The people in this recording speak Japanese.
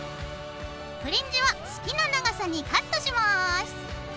フリンジは好きな長さにカットします。